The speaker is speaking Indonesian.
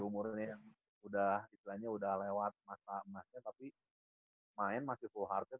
di umurnya yang udah istilahnya udah lewat masa masanya tapi main masih full hearted gitu